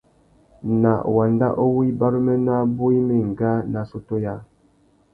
Na wanda uwú ibaruménô abú i mà enga nà assôtô yâā.